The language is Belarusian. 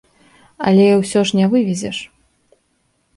Але ўсё ж не вывезеш.